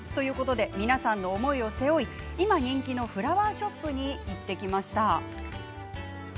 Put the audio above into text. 皆さんの思いを背負い今、人気のフラワーショップに行ってきました。